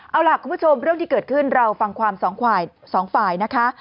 เอาล่ะคุณผู้ชมเรื่องที่เกิดขึ้นเราฟังความสองฝ่ายสองฝ่ายนะคะ